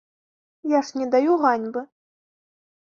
Я ж не даю ганьбы.